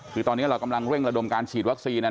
คือตอนนี้เรากำลังเร่งระดมการฉีดวัคซีน